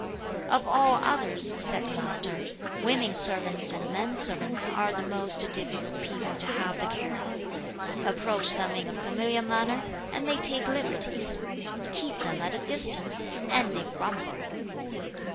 "Of all others," said the Master, "women servants and men servants are the most difficult people to have the care of. Approach them in a familiar manner, and they take liberties; keep them at a distance, and they grumble."